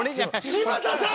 柴田さん！